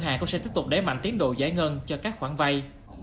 hàng cũng sẽ tiếp tục đẩy mạnh tiến độ giải ngân cho các khoản vay